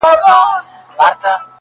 په قهر ورکتلي له لومړۍ ورځي اسمان٫